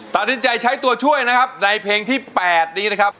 ตัดสินใจใช้ตัวช่วยนะครับในเพลงที่๘นี้นะครับ